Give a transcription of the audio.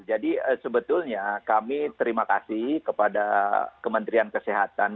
jadi sebetulnya kami terima kasih kepada kementerian kesehatan